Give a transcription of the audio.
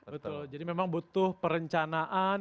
betul jadi memang butuh perencanaan